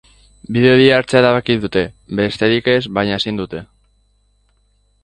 Bide hori hartzea erabaki dute, besterik ez, baina ezin dute.